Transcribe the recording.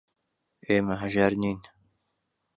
ئێمە هەژار نین.